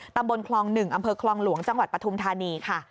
ตำบลคลอง๑อำเภอคลองหลวงจังหวัดปฐุมธานีค่ะ